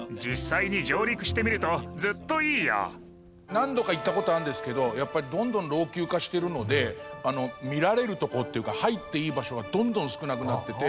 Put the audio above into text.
何度か行った事あるんですけどやっぱりどんどん老朽化してるので見られるとこっていうか入っていい場所がどんどん少なくなってて。